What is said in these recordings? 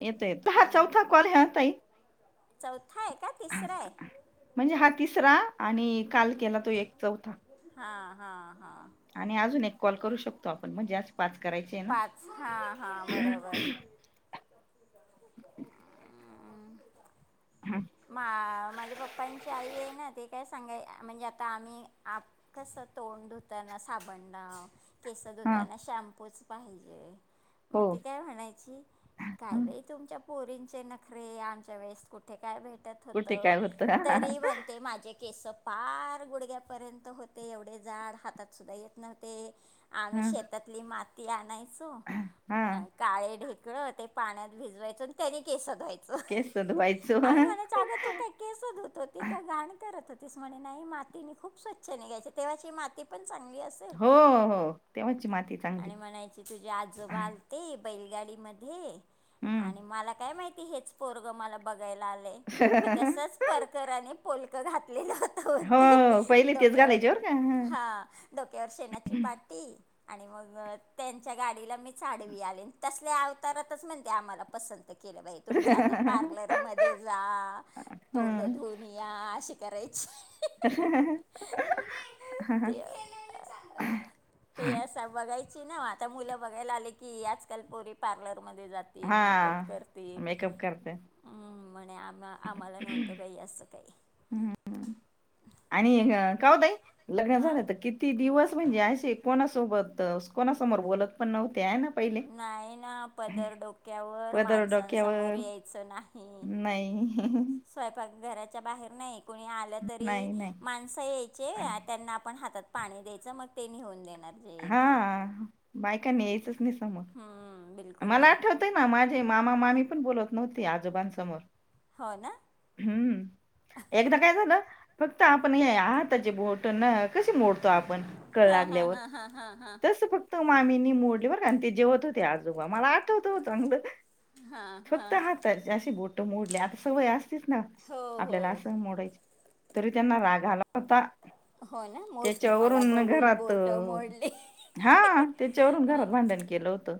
येत आहेत हा चौथा कॉल हा ताई. चौथा आहे का तिसरा आहे? म्हणजे हा तिसरा आणि काल केला तो एक चौथा. हां हां हां, आणि अजून एक कॉल करू शकतो आपण म्हणजे आज. पाच करायचे आहे ना. पाच हां हम्म हं, मा माझ्या पप्पांची आई आहे ना तिथेच? सांगा म्हणजे, आता आम्ही आप कसं तोंड धुताना साबण लाव. केस हां. धुताना शॅम्पूच पाहिजे. हो. मग ते काय म्हणायची काय हं. बाई तुमच्या. पोरींचे नखरे. आमच्या वेळेस कुठे काय भेट कुठे काय होतं? तरी म्हणते माझे केस फार गुडग्यापर्यंत होते एवढे झाड हातात सुुद्धा येत नव्हते. आम्ही हं, शेतातली माती आणायचो अ हां. काळे डे. ढेकळे ते पाण्यात भिजवायचं आणि त्यानी केस धुवायचे. केस धुवायचो. आम्ही म्हणायच अगं तू काही केस धूत होती ते का घाण करत होत. म्ह नाही माती खूप स्वच्छ निघायचे तेव्हा ची माती पण. चांगली असेल हो, हो. तेव्हाची माती चांगली. आणि म्हणायची तुझी आजोबा आलंते. बैलगाडी मध्ये हं. आणि मला काय माहित हेच पोरग बघायला आले मी तसच परकर आणि पोलक घातलेलं होत. ते हो. पहिले तेच डोक्यावर घालायचे बरं का. हं. हा डोक्यावर शेणाची पाटी आणि मग त्यांच्या गाडीला मीच आडवी आले तसले अवतारातच म्हणते आम्हाला पसंत केली. लकेलं बाई तुमच आता पार्लर जा तोंड हं. धुन या अशी करायची. हा ह. ते ते असं बघायची ना. आता मुलं बघायला आले की आजकाल पोरी पार्लर म जातील हां. मेकअप करतील. मेकअप करते. म्हणे आम आम्हाला नव्हतं बाई असं काही आणि का होताई लग्न हां झालं तर किती दिवस म्हणजे असे कोणा सोबत कोणासमोर बोलत पण नवत. नाही ना पदर डोक्यावर, पदर माणसांसमोर डोक्यावर यायचं नाही. नाही. स्वयंपाक घराच्या बाहेर नाही. कुणी आलं तरी नाही नाही माणसं यायचे त्यांना आपण हातात पाणी द्यायचं मग ते नेहून देण हा बायकांनी यायचंच नाही समोर. हम्म, बिलकुल मला नाही आठवतें ना माझे मामा मामी पण बोलत नव्हती आजोबांसमोर. हो ना हम्म एकदा काय झालं फक् आता आपण हे आहताचे भोट कसे मोडतो आपण कळ हां हां लागल्यावर हां हां हां हां तस फक्त मामीनी मोडली बर का ते जेवत होते आज. मला आठवत चांगलं. हां फक्त हां हाता अशी बोट मोडली आता सवय अस हो हो आपल्याला असं मोडायच तरी त्यांना राग आला होता. हो ना मला त्याच्यावरून बघून घरात बोट मोडली. हा त्याच्यावरून घरात भांडण केलं होतं.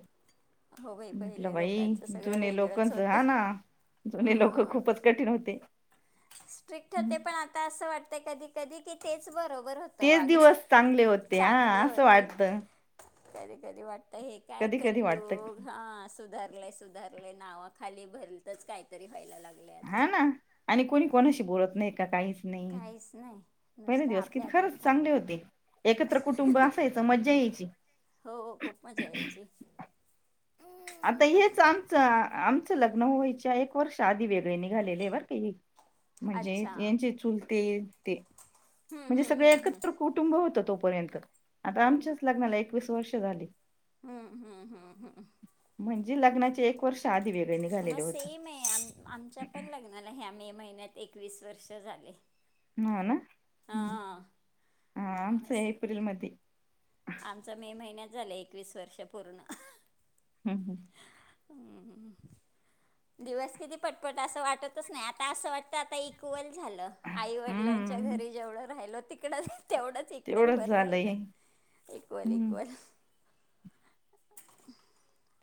हो बाई म्हटलं पहिले भाई लोकांचं सगळं जुने वेगळंच लोकांच होतं हा ना. जुने लोक खूपच कठीण होते. स्ट्रिक्ट होते पण आता असं वाटत कधी कधी की तेच बरोबर होतं तेच वागणं दिवस चांगले होते हा चांगले असं होते वाटत. कधी कधी वाटत हे काय वाटत कलयूग हा सुधारलाय सुधार नावा खाली भरच काहीतरी व्हायला लाग हा ना आणि कोणी कोणाशी बोलत नाही का काहीच. नाही काहीच नाही पहिले नुसतं दिवस आपल्या किती आपल्या खरंच आता चांगले होते. एकत्र कुटुंब असायचं मज्जा यायची. हो खूप मजा यायची आता हेच आमचं आमचं लग्न व्हायच्या एक वर्ष आधी वेगळे निघालेले आहे बर का. म्हणजे अच्छा यांचे चुलते ते हम्म, म्हणजे हम्म, हम्म, सगळे हम्म. एकत्र कुटुंब होतं तोपर्यंत आता हो ना आमच्याच लग्नाला एकवीस वर्ष झाली. हम्म हम्म हम्म हम्म. े लग्नाचे एक वर्ष आधी मग निघालेले होते. सेम आहे आ आमच्या पण लग्नाला आहे आम्ही महिन्यात एकवीस वर्ष झाले. ह ना. हम् हां आमच असं एप्रिल मध्ये आमचं मे महिन्यात झालं एकवीस वर्ष पूर्ण हम्म हम्म. हम्मम. दिवस किती पटपट असं वाटतच नाही आता असं वाटत आता इक्वल झालं आई वडिलांच्या हम्म घरी जेवढं राहिल तिकड. तेवढंच इकडे तेवढंच भर झालंय राहिल इक्वल हम्म इक्वल.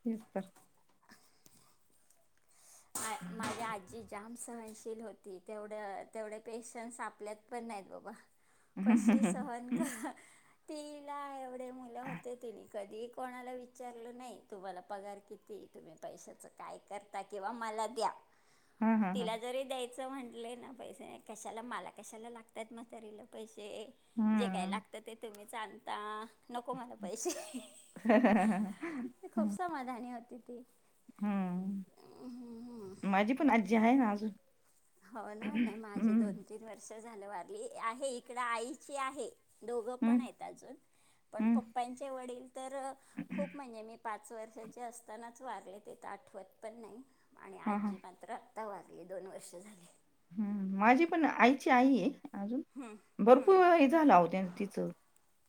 तीस तर माझी आजी जाम. सहनशील होती तेवढ तेवढे पेशन्स आपल्यात पण नाहीत बाबा. कशी सहन क तिला एवढे मुलं होती. कधी कोणाला विचारलं नाही तुम्हाला पगार किती तुम्ही पैशाच काय करता. किंवा मला द्या हा हा हा तिला जरी द्याय. च म्हटंले ना पैसे कशाला मला कशाला लागतात म्हातारीला पैसे. जे जे काय हम्म लागतं ते तुम्हीच आणता. नको मला पैसे खूप समाधानी होती. ती हम्म, माझी पण आजी आहे ना अजून हो ना नाही माझे हम्म दोन तीन वर्ष झालं वारली आहे. इकड आईची आहे. दोघं पण हम्म आहेत अजून पण हम्म पप्पांचे वडील तर खूप म्हणजे मी पाच वर्षाचे असतानाच वारले ते तर आठवत पण नाही. आणि हा हा आजी मात्र आत्ता वागली दोन वर्ष झाली. हम्म, माझी पण आईची आई आहे. अजून भरपूर वय झालं अहो तिचं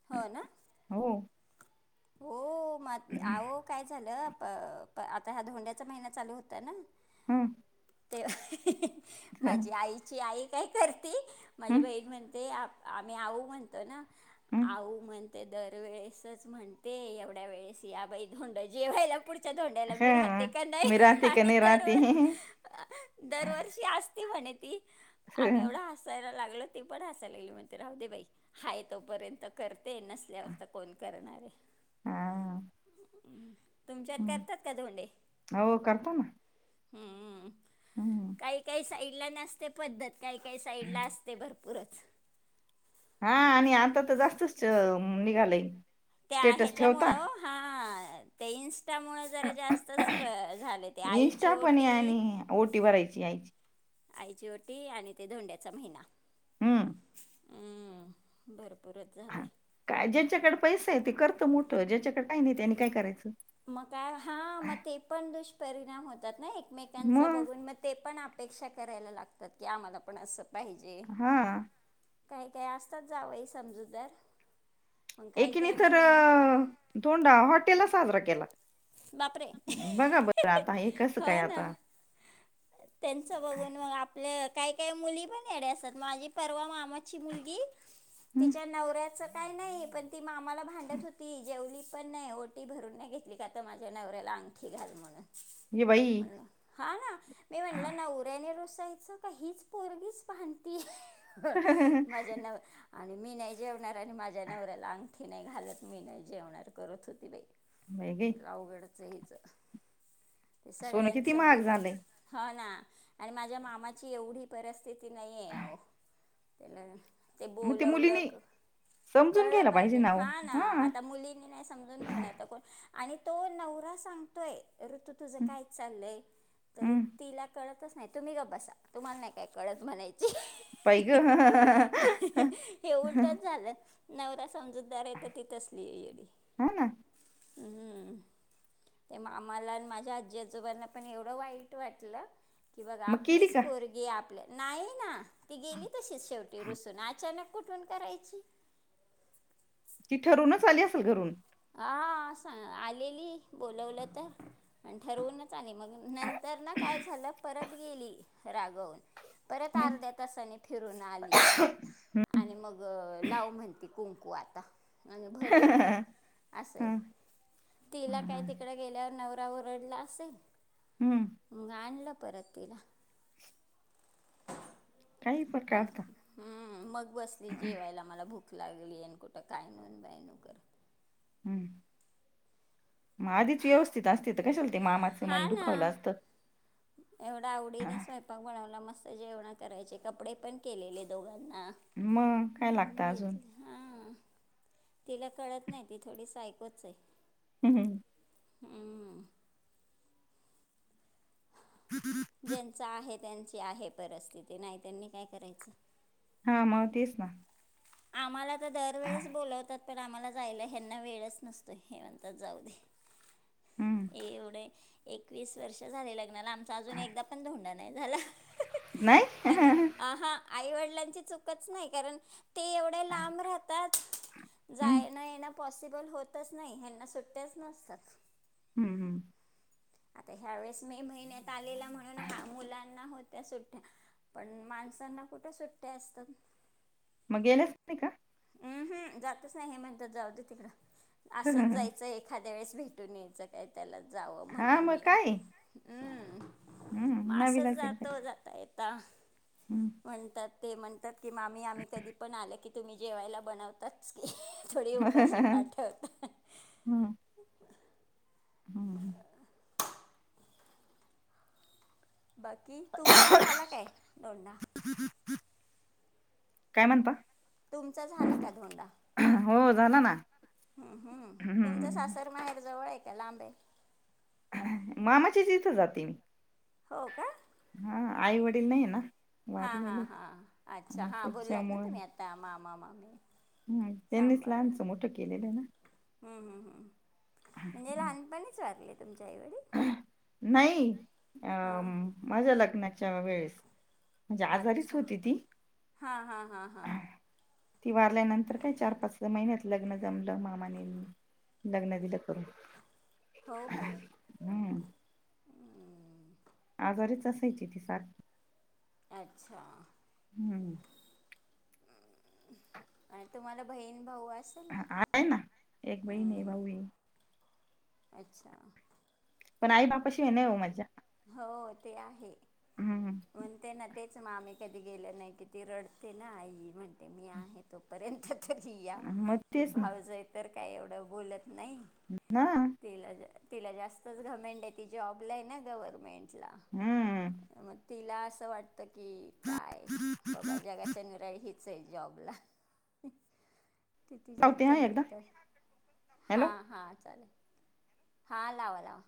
हो ना हो. हो म आहो काय झालं. आता हा धोंड्याचा महिना चालू होता ना. हम्म. तेव्हा माझी आईची आई काय करते माझी हं, बहीण म्हणते आप आम्ही आऊ म्हणतो ना हं, आऊ म्हणते दरवेळेसच म्हणते. ते एवढ्या वेळेस याबाई धोंड जेवायला पुढ. धोंड्याला मी राहते हं. का नाही मी राहते का आणि नाही राहते हं, दरवर्षी अस. ती म्हणे ती आम्ही एवढा हसायला लागलो. ती पण हसायला लागली म्हणते. राहु दे बाई हाय तोपर्यंत करते नसल्यावर तर कोण? करणारे. हा. तुमच्यात हं. करतात का धों डे हो करता ना हम्म-म. हं. काही-काही साईड. ला नसते पद्धत काही-काही साईड ला असते भरपूरच हा आणि आता तर जास्तच निघालाय. त्या ह्याच्यामुळं ओ हा ते इन्स. त्यामुळे जरा जास्तच झालं ते आईची ओटी करायची आईची आईची ओटी आणि ते धोंड्याचा महिना हम्म हम् बर. हा काय ज्याच्याकडे पैसा आहे ते करत मोठं ज्याच्याकडे काही नाही त्यांनी काय करायचं. मग काय हा मग ते पण दुष्परिणाम होतात ना एक एकमेकांच बघून मग ते पण अपेक्षा करायला लागतात की आम्हाला पण असं. पाहिजे हा काही-काही असतात जावई समजू तदार एकीने तर अ-अ-अ धोंडा हॉटेलला साजरा केला. बापरे बघा बरं आता हे कस हो काय आता ना त्यांचं बघून मग आपल्या काही-काही मुली पण येडे असतात. माझी परवा मामाची मुलगी. हं, तिच्या नवऱ्याच काय नाही पण ती मामाला भांडत होती जेवली पण नाही ओटी भरून नाही घेतली का तर माझ्या नवऱ्याला अंगठी घाल म्हणून ये बाई म्हणलं हा ना मी हा, म्हणलं नवऱ्याने रूसायचं का हीच पोरगीच भांडतेय. माझ्या नव आणि मी नाही जेवणार आणि माझ्या नवऱ्याला अंग ठी नाही घालत मी नाही जेवणार करत होती बाई. [unintelligible] ते च ते सोनं सगळ्यांच किती महाग बघून झालंय. हो ना. आणि माझ्या मामाची एवढी परिस्थिती नाहीये अहो त्याला ते मग मुलीनी बोलवलक. समजून कळलं घ्यायला पाहिजे ओ. हा ना हां, आता मुलींनी नाही समजून घेणार तर कोण आणि तो नवरा सांगतोय ऋतू तुझं काय चाललय तरी हं, तिला कळत नाही तुम्ही का बसा तुम्हाला नाही काय कळच म्हणायचं बाई ग. हे उलटच [unintelligible] झालं नवरा समजूतदार आहे तर ती तसली आहे ये. हा. [unintelligible] ते आमला आणि माझ्या आजी आजोबांना पण एवढं वाईट वाटलं की बघा मग केली आपलीच का? पोरगी आपल्या नाही ना ती गेली तशीच शेवटी रुसून अचानक कुठून करायची. ती ठरूनच आली असेल घरून. हा सां आलेली बोलवलं तर आणि ठरवून ली मग नंतर ना काय झालं परत गेली रागवून परत हं, अर्ध्या तासाने फिरून आली आणि मग लाव म्हणती कुंकू आता आणि भरो अस हं, तिला का हं, तिकडे गेल्या नवरा ओरडला असेल हं. मग आणलं परतला. काही पण आणि काढता. हम्म मग बसली जेवायला मला भूक लागली येन कुठं काय न कर हम्म मग आधीच व्यवस्थित असते तर कशा हा ना एवढा आवडीने स्वयंपाक बनवला. मला मस्त जेवणा करायचे कपडे पण केलेले दोघांना मग काय लागत हम्म, अजून घेतले हां तिला कळत नाही ती थोडीच सायकोच आहे. हम्म हम्म. हम्म. ज्यांचा आहे त्यांची आहे परिस्थिती नाही त्यांनी काय करायचं. हा म तेच ना. आम्हाला तर दरवेेळेच बोलावतात पण आम्हाला जायला ह्यांना वेळच नसतो हे म्हणतात जाऊ दे. हम्म एवढं एकवीस वर्ष झालेला लगला आमचा अजून एकदा पण धोंडा नाही झाला. नाही. आणि हा [unintelligible] आईवडिलांची चूकच नाही कारण ते एवढे लांब राहतात जायण येणं पॉसिबल होतच नाही हना सुट्ट्याच नसतात. हम्म हम्म. आता ह्या वेळेस मे महिन्यात आलेला म्हणून हा मुलांना होत्या सुट्ट्या पण माणसांना कुठे सुट्ट्या असतात. मग गेल्याच नाही का. हम्म हम्म जातच नाही हे म्हणत जाऊ दे तिकडं असंच जायचं एखाद त्या वेळेस भेटून यायचं काय त्याला जावं हा म्हणून मग नियम काय हम्म. हम्म मच नाविलाज आहे जात काय जात य हम्म म्हणतात ते म्हणतात की मामी आम्ही कधी पण आल की तुम्ही जेवायला बनवतातच केी थोडी उपाशी पाठवत हम्म हम्म. बाकी तुमचा झाला काय दोंडा काय म्हणता तुमचा झाला का धोंडा हो झाला ना हम्म हम्म तुमच्या हम्म सासर माहेर जवळ आहे का लांबे मामाचीच इथं जाते हो का हा आई वडील नाही ना? हा हा वारलेले हा अच्छा मग हा बोललात ना, तुम्ही आता मामा मामी हम् त्यांनीच लहानसं मोठं केलेलं ना. हम् हम्... म्हणजे लहानपणीच वाारले तुमच्या एव नाही. अ.. हां माझ्या लग्नाच्या वेळेस म्हणजे आजारीच अच्छा होती ती हा हा हा हा... ती वारल्यानंतर काय चार, पाच महिन्यात लग्न जमलं मामाने लग्न दिलं. करून हो काय हम्म आजारीच असायची ती सात अच्छा.. हम्म.. आणि तुम्हाला बहीण भाऊ हा आ आहे. ना एक बहीण हे भाऊ अच्छा पण, आई बापा शिय नाही हो मजा हो ते आहे. हम्म म्हणते ना तेच मग, आम्ही कधी गेलं नाही कि ती रडते ना, आई म्हणते मी आहे तोपर्यंत तरी या मग ते तेच ना भावज आहे तर काय एवढं बोलत नाही, हा तिला तिला जास्तच घमेंट आहे. ती जॉबला आहे ना गव्हर्मेंट हम्म मग तिला असं वाटत की, काय बाबा जगाच्या मिरा हच आहे जॉबला तिथतीच लावते हा तंद्र एकदा तर हा हॅलो हा चालेल हा लावा लाव